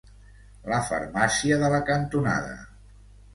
La farmàcia de la cantonada.